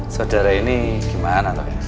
saudara ini gimana